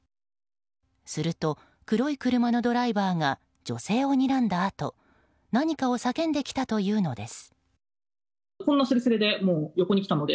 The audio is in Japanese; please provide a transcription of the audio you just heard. すると、黒い車のドライバーが女性をにらんだあと何かを叫んできたというのです。